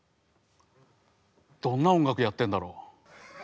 どんな音楽やってんだろう。